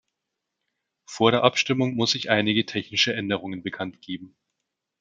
Vor der Abstimmung muss ich einige technische Änderungen bekannt geben.